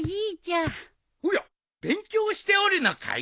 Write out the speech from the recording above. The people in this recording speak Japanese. おや勉強をしておるのかい？